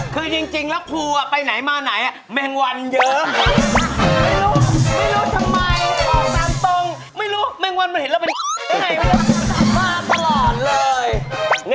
คือจริงแล้วคลูไปไหนมาไหน